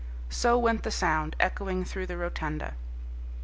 So went the sound, echoing through the rotunda.